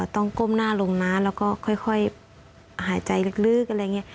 ก้มหน้าลงนะแล้วก็ค่อยหายใจลึกอะไรอย่างนี้